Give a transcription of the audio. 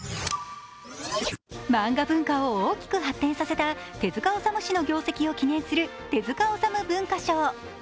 漫画文化を大きく発展させた手塚治虫氏の業績を記念する手塚治虫文化賞。